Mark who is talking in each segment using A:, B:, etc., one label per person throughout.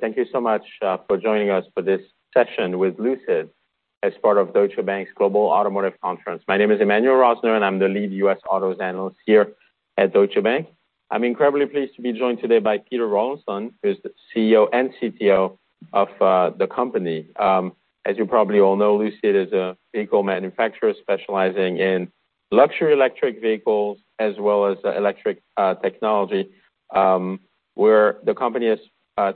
A: Thank you so much for joining us for this session with Lucid as part of Deutsche Bank's Global Automotive Conference. My name is Emmanuel Rosner, and I'm the lead U.S. auto analyst here at Deutsche Bank. I'm incredibly pleased to be joined today by Peter Rawlinson, who is the CEO and CTO of the company. As you probably all know, Lucid is a vehicle manufacturer specializing in luxury electric vehicles as well as electric technology, where the company is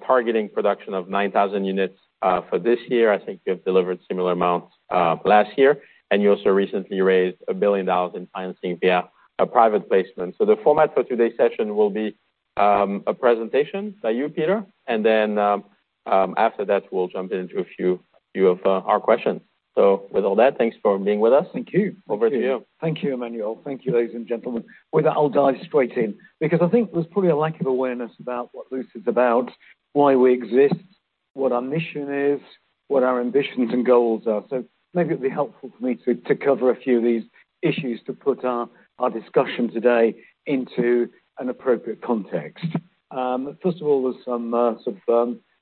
A: targeting production of 9,000 units for this year. I think you have delivered similar amounts last year, and you also recently raised $1 billion in financing via a private placement. So the format for today's session will be a presentation by you, Peter, and then after that, we'll jump into a few of our questions. So with all that, thanks for being with us.
B: Thank you.
A: Over to you.
B: Thank you, Emmanuel. Thank you, ladies and gentlemen. With that, I'll dive straight in because I think there's probably a lack of awareness about what Lucid's about, why we exist, what our mission is, what our ambitions and goals are. So maybe it would be helpful for me to cover a few of these issues to put our discussion today into an appropriate context. First of all, there's some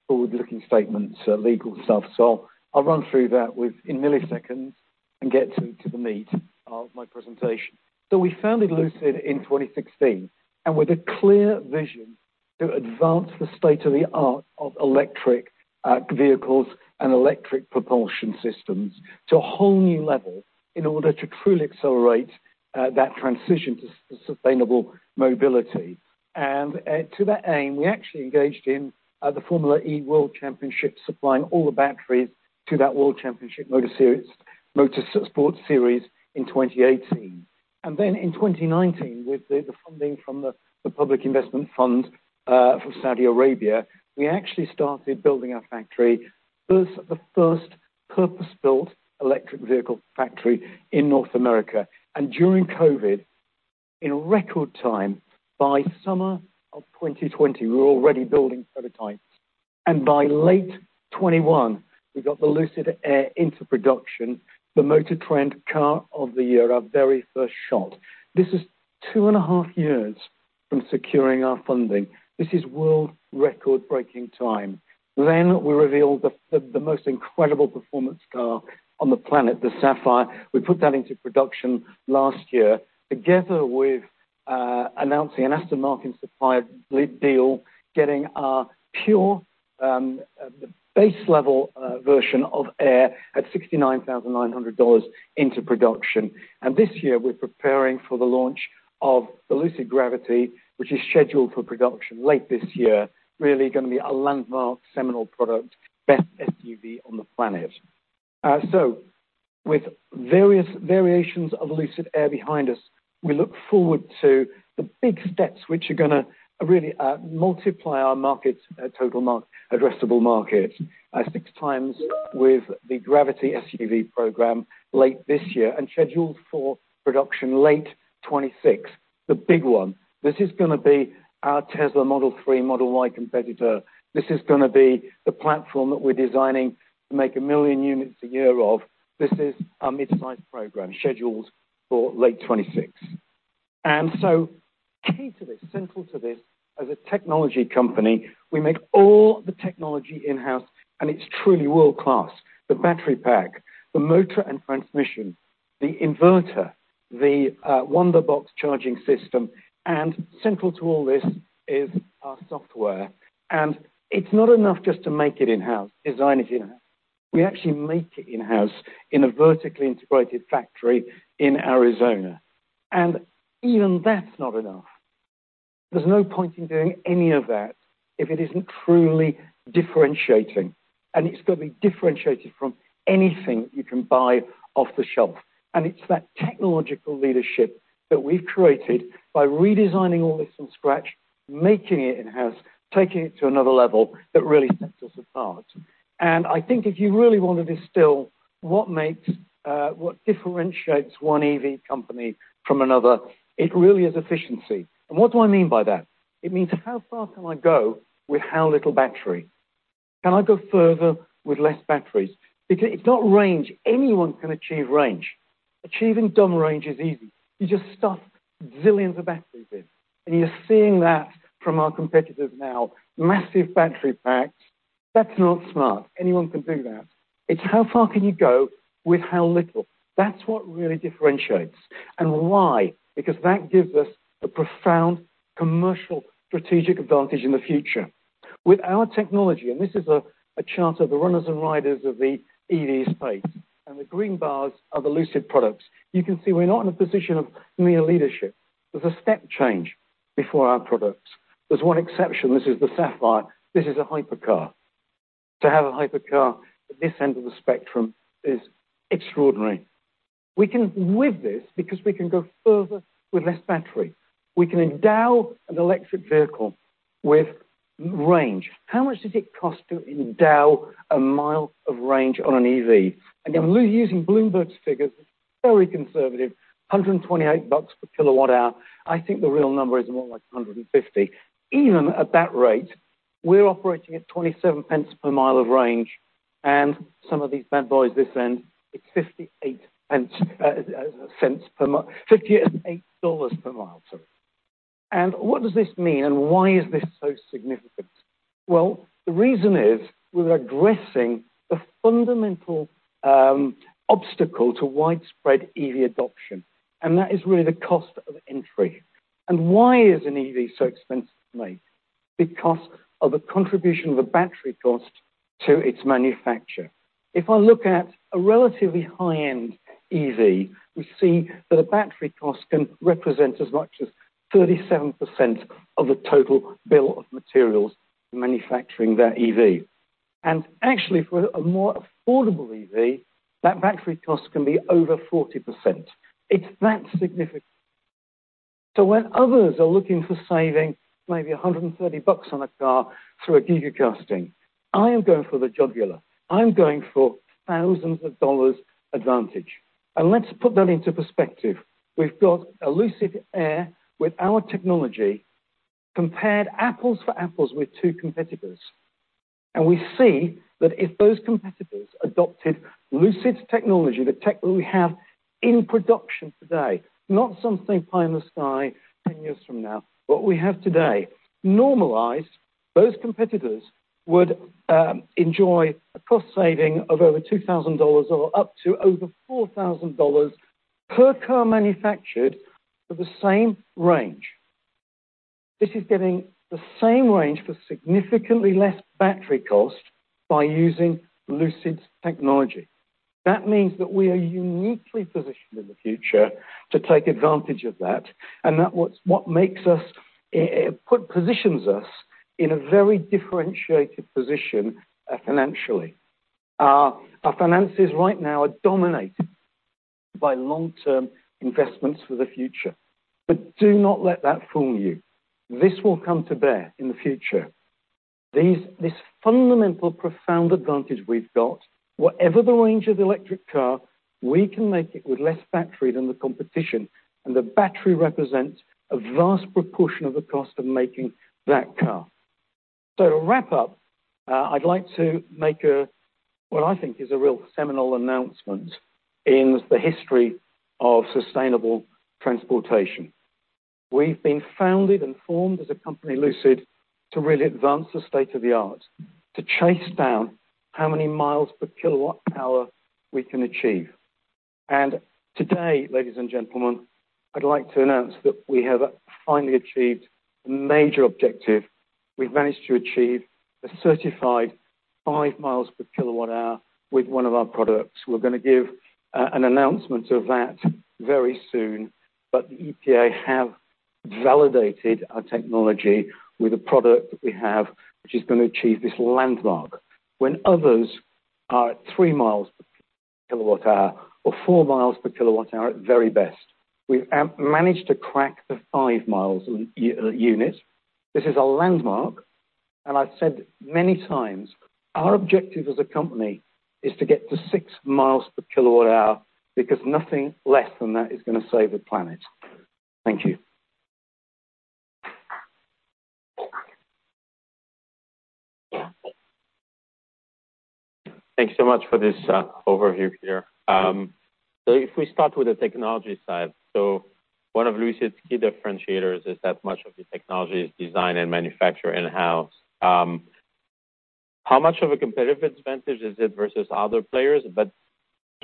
B: forward-looking statements, legal stuff, so I'll run through that in milliseconds and get to the meat of my presentation. So we founded Lucid in 2016 and with a clear vision to advance the state of the art of electric vehicles and electric propulsion systems to a whole new level in order to truly accelerate that transition to sustainable mobility. And to that aim, we actually engaged in the Formula E World Championship, supplying all the batteries to that World Championship Motorsports Series in 2018. And then in 2019, with the funding from the Public Investment Fund for Saudi Arabia, we actually started building our factory, the first purpose-built electric vehicle factory in North America. And during COVID, in record time, by summer of 2020, we were already building prototypes. And by late 2021, we got the Lucid Air into production, the MotorTrend Car of the Year, our very first shot. This is two and a half years from securing our funding. This is world record-breaking time. Then we revealed the most incredible performance car on the planet, the Sapphire. We put that into production last year, together with announcing an aftermarket supplier deal, getting our pure base level version of Air at $69,900 into production. This year, we're preparing for the launch of the Lucid Gravity, which is scheduled for production late this year, really going to be a landmark seminal product, best SUV on the planet. With various variations of Lucid Air behind us, we look forward to the big steps, which are going to really multiply our market total addressable market six times with the Gravity SUV program late this year and scheduled for production late 2026, the big one. This is going to be our Tesla Model 3, Model Y competitor. This is going to be the platform that we're designing to make 1 million units a year of. This is a mid-size program scheduled for late 2026. Key to this, central to this, as a technology company, we make all the technology in-house, and it's truly world-class. The battery pack, the motor and transmission, the inverter, the Wunderbox charging system, and central to all this is our software. It's not enough just to make it in-house, design it in-house. We actually make it in-house in a vertically integrated factory in Arizona. Even that's not enough. There's no point in doing any of that if it isn't truly differentiating. It's got to be differentiated from anything you can buy off the shelf. It's that technological leadership that we've created by redesigning all this from scratch, making it in-house, taking it to another level that really sets us apart. I think if you really want to distill what differentiates one EV company from another, it really is efficiency. What do I mean by that? It means how far can I go with how little battery? Can I go further with less batteries? Because it's not range. Anyone can achieve range. Achieving dumb range is easy. You just stuff zillions of batteries in. And you're seeing that from our competitors now. Massive battery packs, that's not smart. Anyone can do that. It's how far can you go with how little. That's what really differentiates. And why? Because that gives us a profound commercial strategic advantage in the future. With our technology, and this is a chart of the runners and riders of the EV space, and the green bars are the Lucid products, you can see we're not in a position of near leadership. There's a step change before our products. There's one exception. This is the Sapphire. This is a hypercar. To have a hypercar at this end of the spectrum is extraordinary. We can with this because we can go further with less battery. We can endow an electric vehicle with range. How much does it cost to endow a mile of range on an EV? And using Bloomberg's figures, it's very conservative, $128 per kWh. I think the real number is more like $150. Even at that rate, we're operating at $0.27 per mile of range. And some of these bad boys this end, it's $0.58 per mile, $58 per mile, sorry. And what does this mean and why is this so significant? Well, the reason is we're addressing the fundamental obstacle to widespread EV adoption. And that is really the cost of entry. And why is an EV so expensive to make? Because of the contribution of the battery cost to its manufacture. If I look at a relatively high-end EV, we see that a battery cost can represent as much as 37% of the total bill of materials manufacturing that EV. And actually, for a more affordable EV, that battery cost can be over 40%. It's that significant. So when others are looking for saving maybe $130 on a car through a Gigacasting, I am going for the jugular. I'm going for thousands of dollars advantage. And let's put that into perspective. We've got a Lucid Air with our technology compared apples to apples with two competitors. We see that if those competitors adopted Lucid's technology, the tech that we have in production today, not something pie in the sky 10 years from now, but what we have today, normalized, those competitors would enjoy a cost saving of over $2,000 or up to over $4,000 per car manufactured for the same range. This is getting the same range for significantly less battery cost by using Lucid's technology. That means that we are uniquely positioned in the future to take advantage of that. That's what makes us, positions us in a very differentiated position financially. Our finances right now are dominated by long-term investments for the future. Do not let that fool you. This will come to bear in the future. This fundamental profound advantage we've got, whatever the range of the electric car, we can make it with less battery than the competition. And the battery represents a vast proportion of the cost of making that car. So to wrap up, I'd like to make what I think is a real seminal announcement in the history of sustainable transportation. We've been founded and formed as a company, Lucid, to really advance the state of the art, to chase down how many miles per kWh we can achieve. And today, ladies and gentlemen, I'd like to announce that we have finally achieved a major objective. We've managed to achieve a certified 5 miles per kWh with one of our products. We're going to give an announcement of that very soon. But the EPA have validated our technology with a product that we have, which is going to achieve this landmark. When others are at 3 miles/kWh or 4 miles/kWh at very best, we've managed to crack the 5 miles/kWh. This is a landmark. And I've said many times, our objective as a company is to get to 6 miles/kWh because nothing less than that is going to save the planet. Thank you.
A: Thanks so much for this overview, Peter. So if we start with the technology side, so one of Lucid's key differentiators is that much of the technology is designed and manufactured in-house. How much of a competitive advantage is it versus other players? But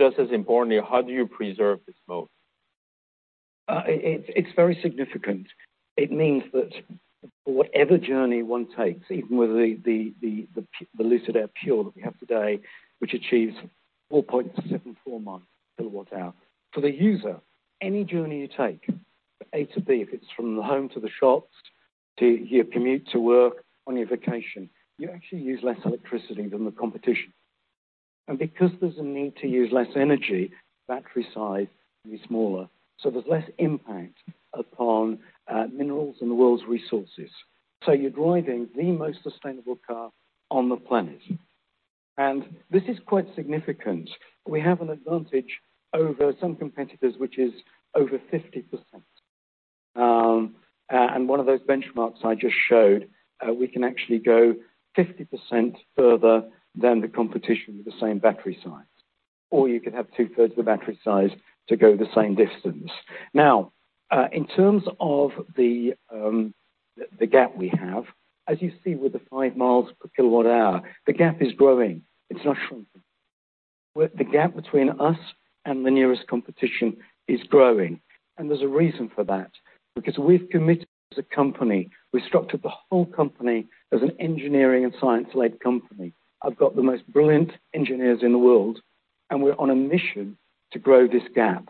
A: just as importantly, how do you preserve this moat?
B: It's very significant. It means that whatever journey one takes, even with the Lucid Air Pure that we have today, which achieves 4.74 miles/kWh, for the user, any journey you take A to B, if it's from the home to the shops, to your commute to work on your vacation, you actually use less electricity than the competition. And because there's a need to use less energy, battery size is smaller. So there's less impact upon minerals and the world's resources. So you're driving the most sustainable car on the planet. And this is quite significant. We have an advantage over some competitors, which is over 50%. And one of those benchmarks I just showed, we can actually go 50% further than the competition with the same battery size. Or you could have two-thirds of the battery size to go the same distance. Now, in terms of the gap we have, as you see with the 5 miles per kWh, the gap is growing. It's not shrunken. The gap between us and the nearest competition is growing. There's a reason for that because we've committed as a company, we structured the whole company as an engineering and science-led company. I've got the most brilliant engineers in the world, and we're on a mission to grow this gap.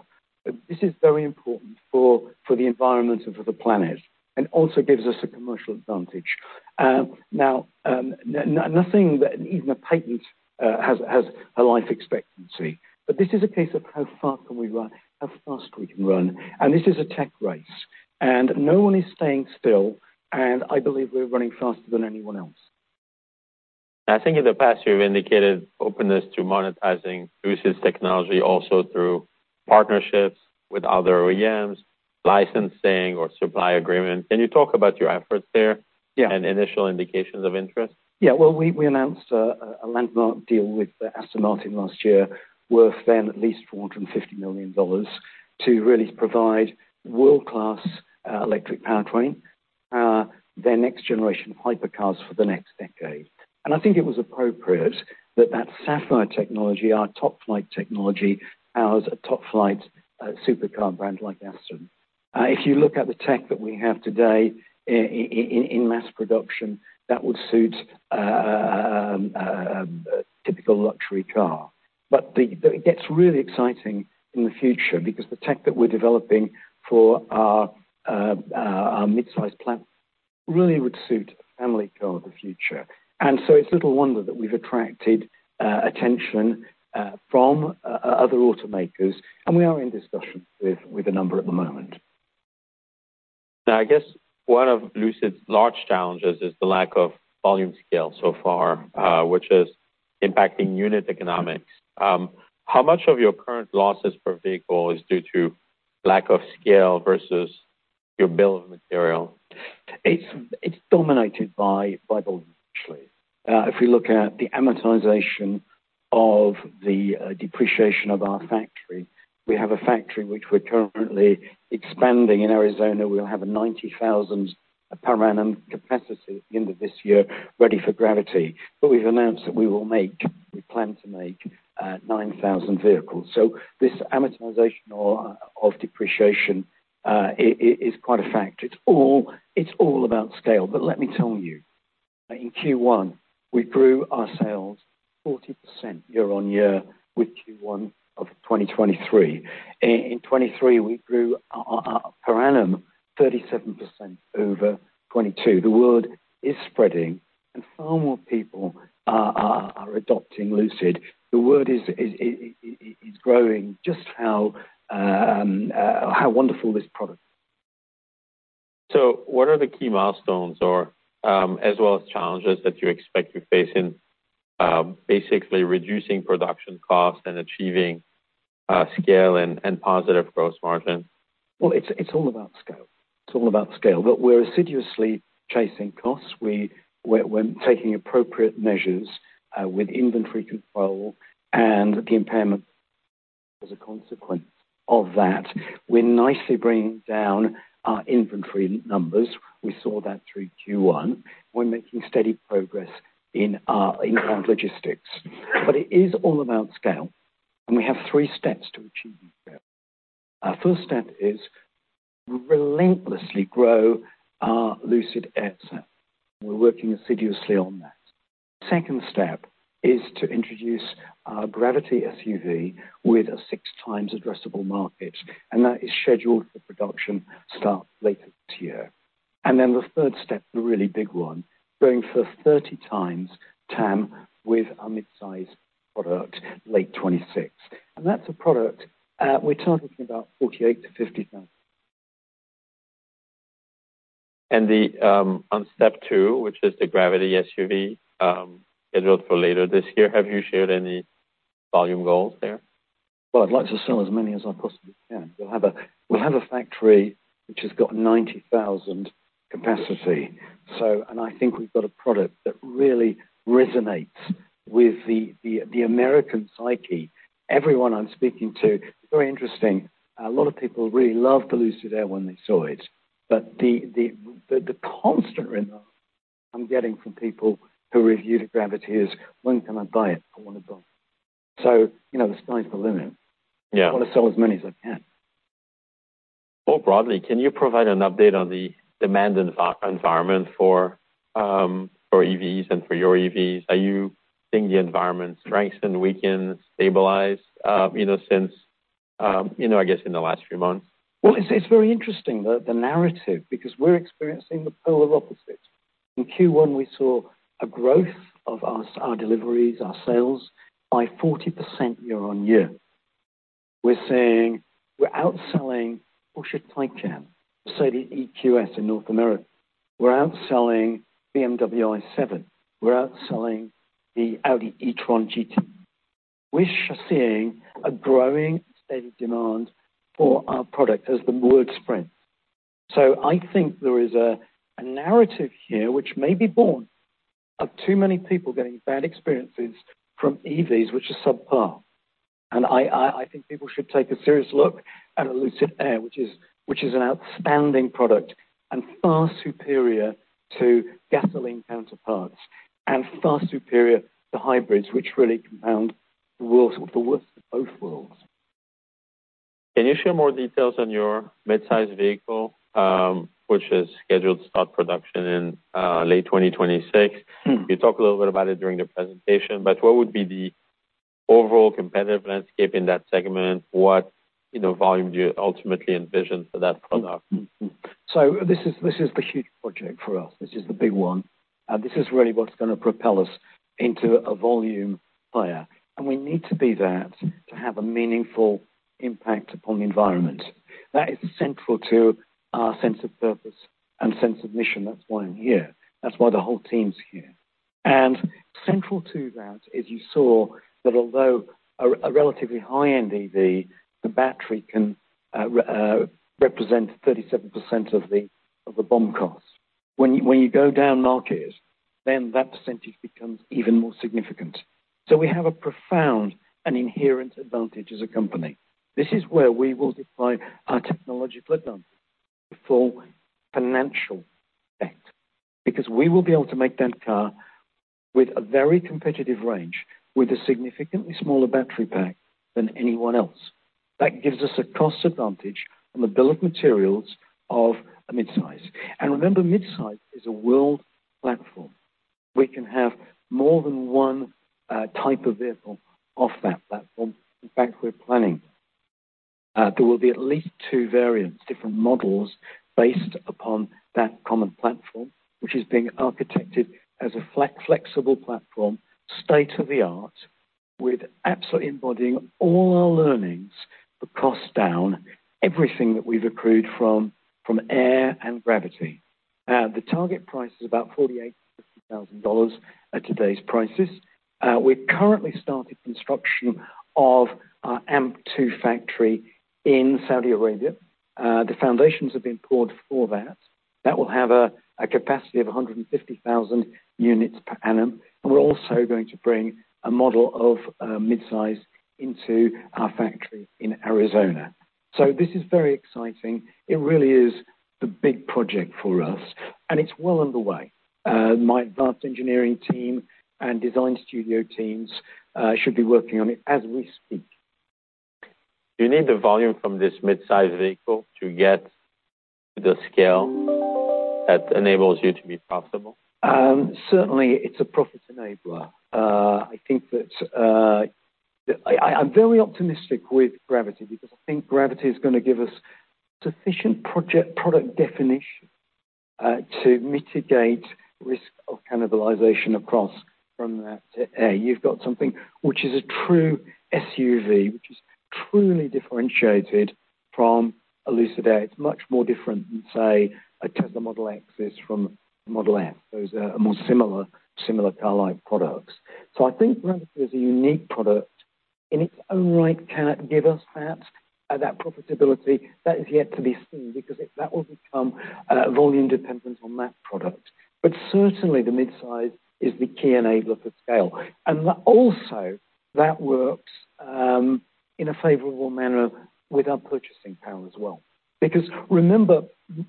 B: This is very important for the environment and for the planet and also gives us a commercial advantage. Now, nothing that even a patent has a life expectancy. But this is a case of how far can we run, how fast we can run. This is a tech race. No one is staying still. I believe we're running faster than anyone else.
A: I think in the past, you've indicated openness to monetizing Lucid's technology also through partnerships with other OEMs, licensing or supply agreements. Can you talk about your efforts there and initial indications of interest?
B: Yeah. Well, we announced a landmark deal with Aston Martin last year worth then at least $450 million to really provide world-class electric powertrain, their next generation hypercars for the next decade. And I think it was appropriate that that Sapphire technology, our top flight technology, powers a top flight supercar brand like Aston. If you look at the tech that we have today in mass production, that would suit a typical luxury car. But it gets really exciting in the future because the tech that we're developing for our midsize plant really would suit a family car of the future. And so it's a little wonder that we've attracted attention from other automakers. And we are in discussion with a number at the moment.
A: Now, I guess one of Lucid's large challenges is the lack of volume scale so far, which is impacting unit economics. How much of your current losses per vehicle is due to lack of scale versus your bill of materials?
B: It's dominated by volume, actually. If we look at the amortization of the depreciation of our factory, we have a factory which we're currently expanding in Arizona. We'll have a 90,000 production capacity at the end of this year ready for Gravity. But we've announced that we will make, we plan to make 9,000 vehicles. So this amortization of depreciation is quite a factor. It's all about scale. But let me tell you, in Q1, we grew our sales 40% year-over-year with Q1 of 2023. In 2023, we grew our production 37% over 2022. The word is spreading, and far more people are adopting Lucid. The word is growing just how wonderful this product is.
A: What are the key milestones or as well as challenges that you expect to face in basically reducing production costs and achieving scale and positive gross margin?
B: Well, it's all about scale. It's all about scale. But we're assiduously chasing costs. We're taking appropriate measures with inventory control and the impairment as a consequence of that. We're nicely bringing down our inventory numbers. We saw that through Q1. We're making steady progress in our inbound logistics. But it is all about scale. And we have three steps to achieving scale. Our first step is relentlessly grow our Lucid Air set. We're working assiduously on that. The second step is to introduce our Gravity SUV with a 6x addressable market. And that is scheduled for production start later this year. And then the third step, the really big one, going for 30x TAM with our midsize product late 2026. And that's a product we're targeting about $48,000-$50,000.
A: On step two, which is the Gravity SUV scheduled for later this year, have you shared any volume goals there?
B: Well, I'd like to sell as many as I possibly can. We'll have a factory which has got 90,000 capacity. I think we've got a product that really resonates with the American psyche. Everyone I'm speaking to, very interesting. A lot of people really loved the Lucid Air when they saw it. The constant rhythm I'm getting from people who review the Gravity is, "When can I buy it? I want to buy." The sky's the limit. I want to sell as many as I can.
A: More broadly, can you provide an update on the demand environment for EVs and for your EVs? Are you seeing the environment strengthen, weaken, stabilize since, I guess, in the last few months?
B: Well, it's very interesting, the narrative, because we're experiencing the polar opposite. In Q1, we saw a growth of our deliveries, our sales by 40% year-over-year. We're outselling Porsche Taycan, Mercedes EQS in North America. We're outselling BMW i7. We're outselling the Audi e-tron GT. We're seeing a growing steady demand for our product as the word spreads. So I think there is a narrative here, which may be boring, of too many people getting bad experiences from EVs, which are subpar. And I think people should take a serious look at a Lucid Air, which is an outstanding product and far superior to gasoline counterparts and far superior to hybrids, which really compound the worst of both worlds.
A: Can you share more details on your midsize vehicle, which is scheduled to start production in late 2026? You talked a little bit about it during the presentation. But what would be the overall competitive landscape in that segment? What volume do you ultimately envision for that product?
B: So this is the huge project for us. This is the big one. And this is really what's going to propel us into a volume player. And we need to be that to have a meaningful impact upon the environment. That is central to our sense of purpose and sense of mission. That's why I'm here. That's why the whole team's here. And central to that, as you saw, that although a relatively high-end EV, the battery can represent 37% of the BOM cost. When you go down market, then that percentage becomes even more significant. So we have a profound and inherent advantage as a company. This is where we will define our technological advantage for financial effect because we will be able to make that car with a very competitive range with a significantly smaller battery pack than anyone else. That gives us a cost advantage on the bill of materials of a midsize. And remember, midsize is a world platform. We can have more than one type of vehicle off that platform. In fact, we're planning there will be at least two variants, different models based upon that common platform, which is being architected as a flexible platform, state-of-the-art, with absolutely embodying all our learnings for cost down, everything that we've accrued from air and gravity. The target price is about $48,000-$50,000 at today's prices. We've currently started construction of our AMP-2 factory in Saudi Arabia. The foundations have been poured for that. That will have a capacity of 150,000 units per annum. And we're also going to bring a model of midsize into our factory in Arizona. So this is very exciting. It really is the big project for us. It's well underway. My advanced engineering team and design studio teams should be working on it as we speak.
A: Do you need the volume from this midsize vehicle to get to the scale that enables you to be profitable?
B: Certainly, it's a profit enabler. I think that I'm very optimistic with Gravity because I think Gravity is going to give us sufficient product definition to mitigate risk of cannibalization across from air to air. You've got something which is a true SUV, which is truly differentiated from a Lucid Air. It's much more different than, say, a Tesla Model X is from a Model S. Those are more similar car-like products. So I think Gravity is a unique product. In its own right, can it give us that profitability? That is yet to be seen because that will become volume dependent on that product. But certainly, the midsize is the key enabler for scale. And also, that works in a favorable manner with our purchasing power as well. Because remember,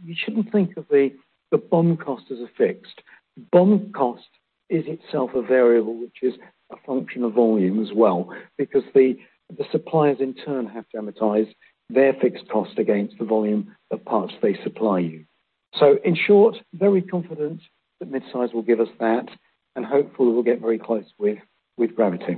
B: you shouldn't think of the BOM cost as a fixed. BOM cost is itself a variable, which is a function of volume as well because the suppliers, in turn, have to amortize their fixed cost against the volume of parts they supply you. So in short, very confident that midsize will give us that and hopefully we'll get very close with Gravity.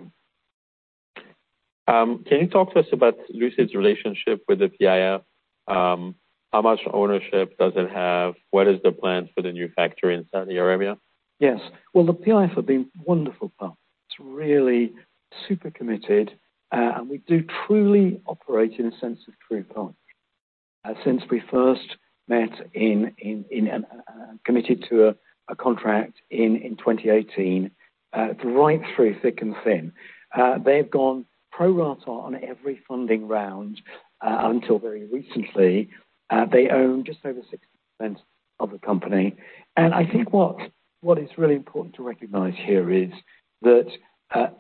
A: Can you talk to us about Lucid's relationship with the PIF? How much ownership does it have? What is the plan for the new factory in Saudi Arabia?
B: Yes. Well, the PIF have been wonderful partners. It's really super committed. And we do truly operate in a sense of true partnership. Since we first met and committed to a contract in 2018, right through thick and thin, they've gone pro-rata on every funding round until very recently. They own just over 60% of the company. And I think what is really important to recognize here is that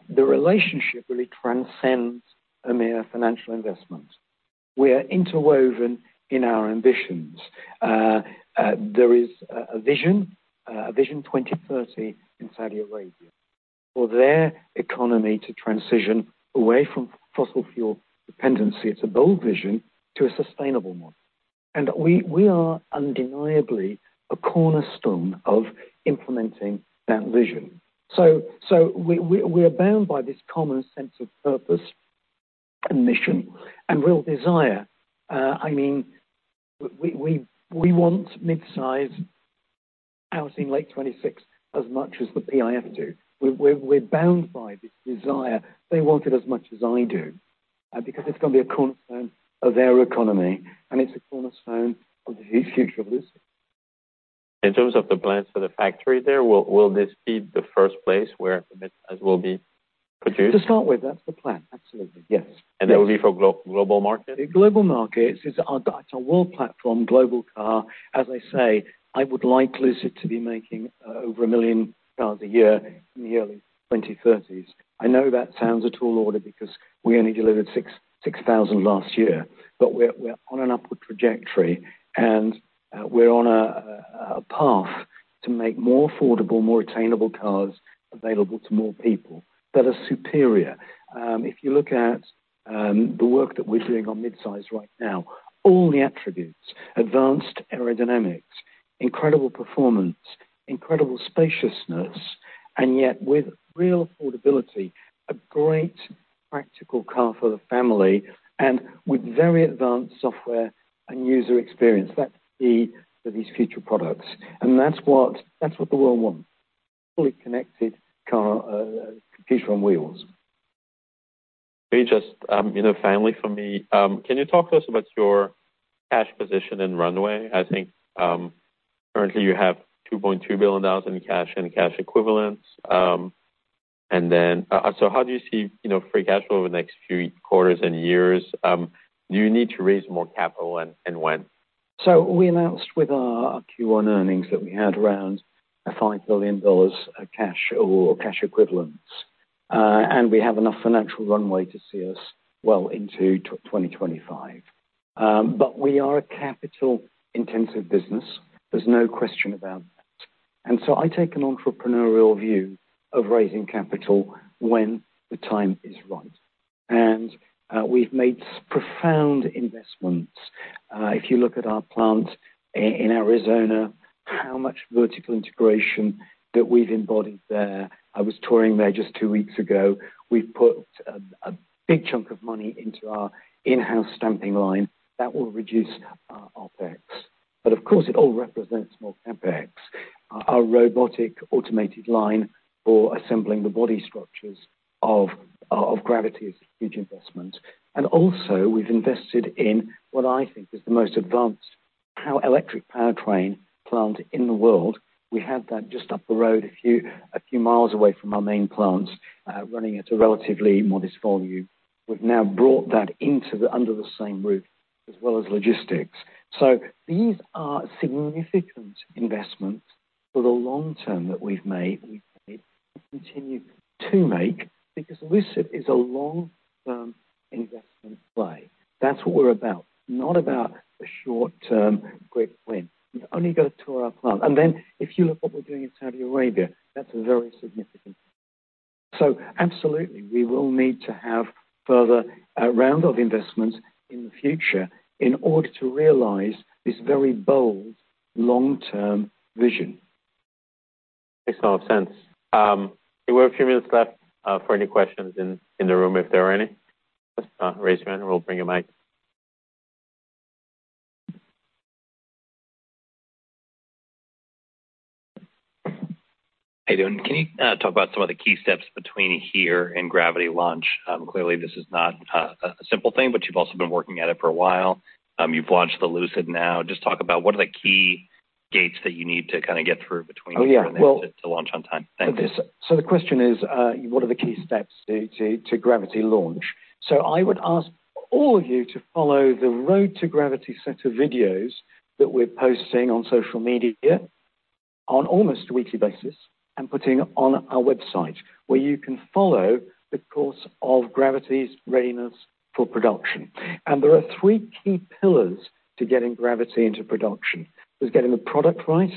B: the relationship really transcends a mere financial investment. We are interwoven in our ambitions. There is a vision, a Vision 2030 in Saudi Arabia for their economy to transition away from fossil fuel dependency. It's a bold vision to a sustainable model. And we are undeniably a cornerstone of implementing that vision. So we are bound by this common sense of purpose and mission and real desire. I mean, we want midsize out in late 2026 as much as the PIF do. We're bound by this desire. They want it as much as I do because it's going to be a cornerstone of their economy. And it's a cornerstone of the future of Lucid.
A: In terms of the plans for the factory there, will this be the first place where midsize will be produced?
B: To start with, that's the plan. Absolutely. Yes.
A: That will be for global markets?
B: Global markets. It's our world platform, global car. As I say, I would like Lucid to be making over 1 million cars a year in the early 2030s. I know that sounds a tall order because we only delivered 6,000 last year. But we're on an upward trajectory. And we're on a path to make more affordable, more attainable cars available to more people that are superior. If you look at the work that we're doing on midsize right now, all the attributes: advanced aerodynamics, incredible performance, incredible spaciousness, and yet with real affordability, a great practical car for the family and with very advanced software and user experience. That's the key for these future products. And that's what the world wants: fully connected car, computer and wheels.
A: Just finally for me, can you talk to us about your cash position and runway? I think currently you have $2.2 billion in cash and cash equivalents. And then so how do you see free cash flow over the next few quarters and years? Do you need to raise more capital and when?
B: We announced with our Q1 earnings that we had around $5 billion of cash or cash equivalents. We have enough financial runway to see us well into 2025. But we are a capital-intensive business. There's no question about that. I take an entrepreneurial view of raising capital when the time is right. We've made profound investments. If you look at our plant in Arizona, how much vertical integration that we've embodied there. I was touring there just two weeks ago. We've put a big chunk of money into our in-house stamping line that will reduce our OpEx. But of course, it all represents more OpEx. Our robotic automated line for assembling the body structures of Gravity is a huge investment. We've invested in what I think is the most advanced power electric powertrain plant in the world. We have that just up the road, a few miles away from our main plants running at a relatively modest volume. We've now brought that under the same roof as well as logistics. So these are significant investments for the long term that we've made and continue to make because Lucid is a long-term investment play. That's what we're about, not about a short-term quick win. We've only got to tour our plant. And then if you look at what we're doing in Saudi Arabia, that's a very significant thing. So absolutely, we will need to have further rounds of investments in the future in order to realize this very bold long-term vision.
A: Makes a lot of sense. We have a few minutes left for any questions in the room. If there are any, just raise your hand and we'll bring you back.
C: Hey, Dan. Can you talk about some of the key steps between here and Gravity launch? Clearly, this is not a simple thing, but you've also been working at it for a while. You've launched the Lucid now. Just talk about what are the key gates that you need to kind of get through between here and then to launch on time? Thank you.
B: So the question is, what are the key steps to Gravity launch? So I would ask all of you to follow the Road to Gravity set of videos that we're posting on social media on almost a weekly basis and putting on our website where you can follow the course of Gravity's readiness for production. And there are three key pillars to getting Gravity into production. There's getting the product right,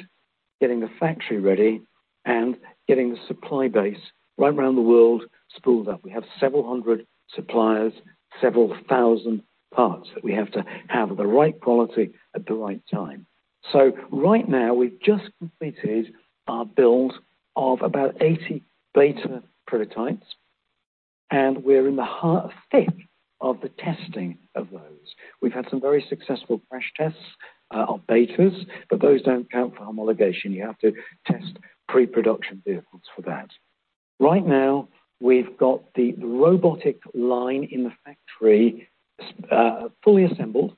B: getting the factory ready, and getting the supply base right around the world spooled up. We have several hundred suppliers, several thousand parts that we have to have the right quality at the right time. So right now, we've just completed our build of about 80 beta prototypes. And we're in the fifth of the testing of those. We've had some very successful crash tests of betas, but those don't count for homologation. You have to test pre-production vehicles for that. Right now, we've got the robotic line in the factory fully assembled.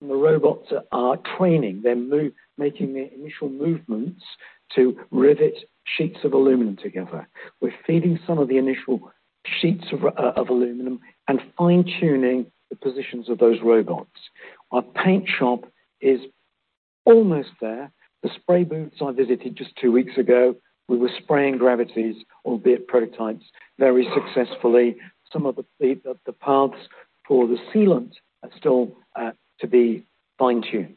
B: The robots are training. They're making the initial movements to rivet sheets of aluminum together. We're feeding some of the initial sheets of aluminum and fine-tuning the positions of those robots. Our paint shop is almost there. The spray booths I visited just two weeks ago, we were spraying Gravity's, albeit prototypes, very successfully. Some of the paths for the sealant are still to be fine-tuned.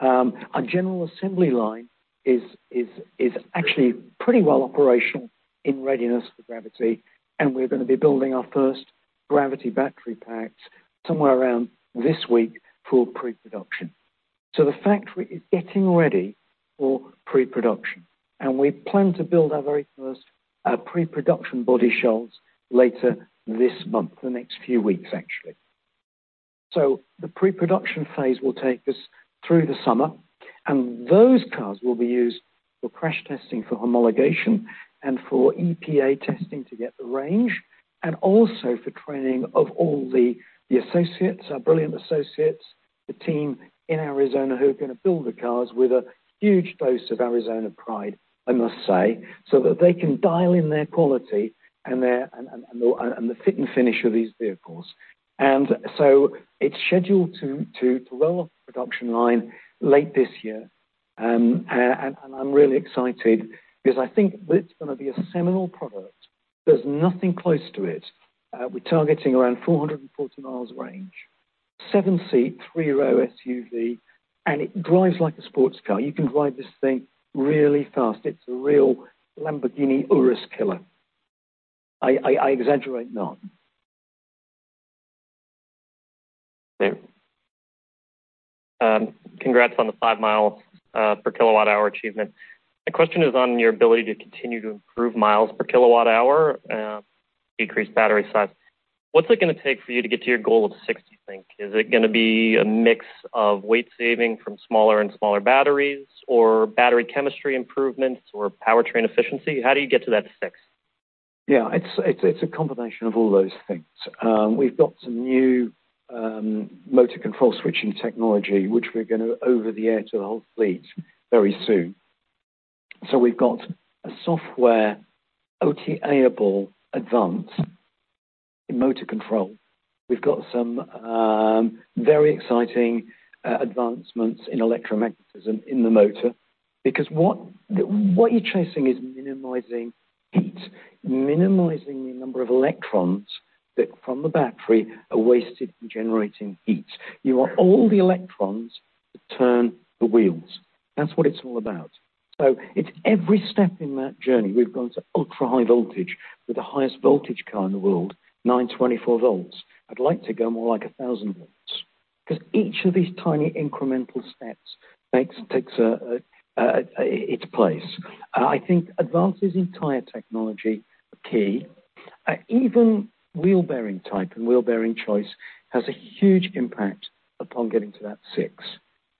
B: Our general assembly line is actually pretty well operational in readiness for Gravity. We're going to be building our first Gravity battery packs somewhere around this week for pre-production. The factory is getting ready for pre-production. We plan to build our very first pre-production body shells later this month, the next few weeks, actually. The pre-production phase will take us through the summer. Those cars will be used for crash testing for homologation and for EPA testing to get the range and also for training of all the associates, our brilliant associates, the team in Arizona who are going to build the cars with a huge dose of Arizona pride, I must say, so that they can dial in their quality and the fit and finish of these vehicles. It's scheduled to roll off the production line late this year. I'm really excited because I think it's going to be a seminal product. There's nothing close to it. We're targeting around 440 miles range, seven-seat, three-row SUV. It drives like a sports car. You can drive this thing really fast. It's a real Lamborghini Urus killer. I exaggerate not.
D: Thank you. Congrats on the 5 miles per kWh achievement. The question is on your ability to continue to improve miles per kWh and decrease battery size. What's it going to take for you to get to your goal of 6? Do you think is it going to be a mix of weight saving from smaller and smaller batteries or battery chemistry improvements or powertrain efficiency? How do you get to that 6?
B: Yeah. It's a combination of all those things. We've got some new motor control switching technology, which we're going to over the air to the whole fleet very soon. So we've got a software OTA-able advance in motor control. We've got some very exciting advancements in electromagnetism in the motor because what you're chasing is minimizing heat, minimizing the number of electrons that from the battery are wasted in generating heat. You want all the electrons to turn the wheels. That's what it's all about. So it's every step in that journey. We've gone to ultra-high voltage with the highest voltage car in the world, 924 volts. I'd like to go more like 1,000 volts because each of these tiny incremental steps takes its place. I think advances in tire technology are key. Even wheel bearing type and wheel bearing choice has a huge impact upon getting to that six.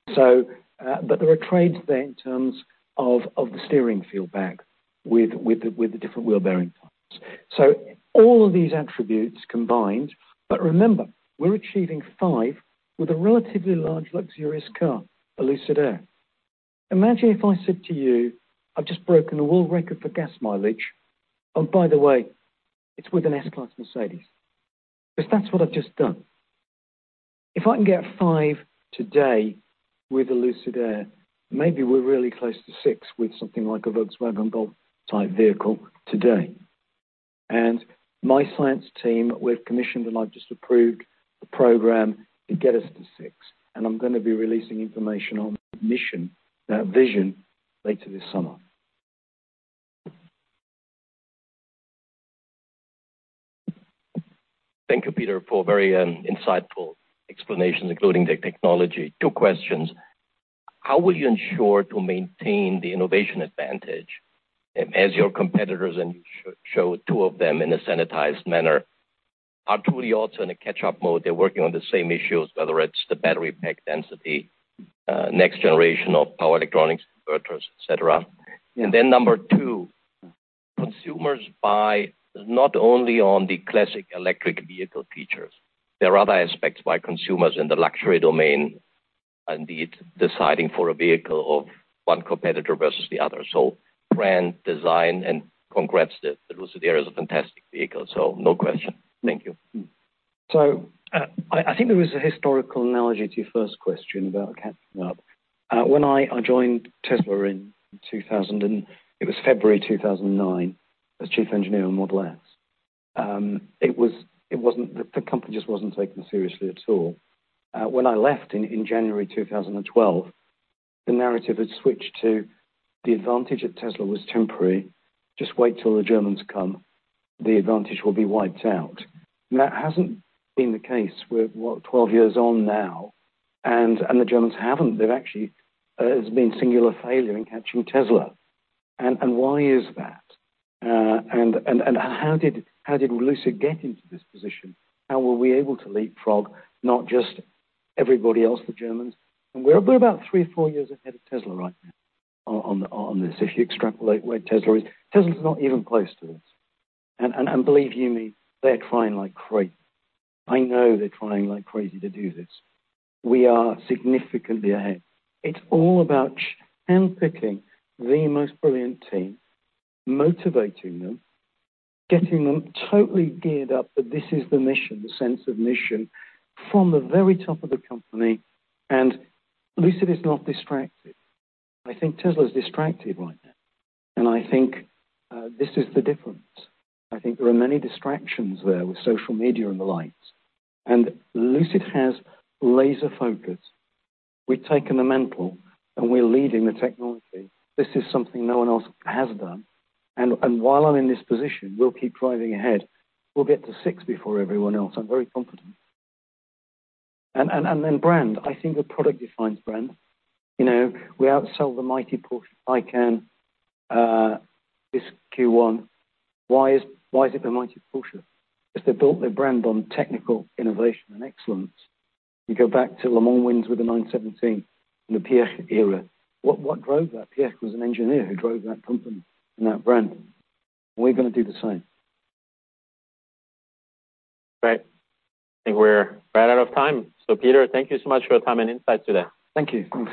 B: But there are trades there in terms of the steering feedback with the different wheel bearing types. So all of these attributes combined. But remember, we're achieving 5 with a relatively large luxurious car, a Lucid Air. Imagine if I said to you, "I've just broken a world record for gas mileage." Oh, by the way, it's with an S-Class Mercedes because that's what I've just done. If I can get 5 today with a Lucid Air, maybe we're really close to 6 with something like a Volkswagen Golf-type vehicle today. And my science team, we've commissioned and I've just approved the program to get us to 6. And I'm going to be releasing information on the mission, that vision, later this summer.
E: Thank you, Peter, for very insightful explanations, including the technology. Two questions. How will you ensure to maintain the innovation advantage as your competitors and you show two of them in a sanitized manner? Are two of the autos in a catch-up mode? They're working on the same issues, whether it's the battery pack density, next generation of power electronics, inverters, etc. And then number two, consumers buy not only on the classic electric vehicle features. There are other aspects by consumers in the luxury domain indeed deciding for a vehicle of one competitor versus the other. So brand, design, and congrats. The Lucid Air is a fantastic vehicle. So no question. Thank you.
B: So I think there was a historical analogy to your first question about catching up. When I joined Tesla in 2009, and it was February 2009, as chief engineer on Model S, the company just wasn't taken seriously at all. When I left in January 2012, the narrative had switched to the advantage at Tesla was temporary. Just wait till the Germans come. The advantage will be wiped out. And that hasn't been the case. We're 12 years on now. And the Germans haven't. There's been singular failure in catching Tesla. And why is that? And how did Lucid get into this position? How were we able to leapfrog not just everybody else, the Germans? And we're about 3 or 4 years ahead of Tesla right now on this. If you extrapolate where Tesla is, Tesla's not even close to us. And believe you me, they're trying like crazy. I know they're trying like crazy to do this. We are significantly ahead. It's all about handpicking the most brilliant team, motivating them, getting them totally geared up that this is the mission, the sense of mission from the very top of the company. And Lucid is not distracted. I think Tesla's distracted right now. And I think this is the difference. I think there are many distractions there with social media and the likes. And Lucid has laser focus. We've taken the mantle, and we're leading the technology. This is something no one else has done. And while I'm in this position, we'll keep driving ahead. We'll get to six before everyone else. I'm very confident. And then brand, I think the product defines brand. We outsell the mighty Porsche in this Q1. Why is it the mighty Porsche? Because they built their brand on technical innovation and excellence. You go back to Le Mans wins with the 917 in the Piëch era. What drove that? Piëch was an engineer who drove that company and that brand. We're going to do the same.
A: Right. I think we're right out of time. So Peter, thank you so much for your time and insights today.
B: Thank you.